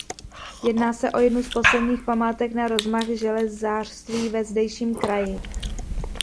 Jedná se o jednu z posledních památek na rozmach železářství ve zdejším kraji.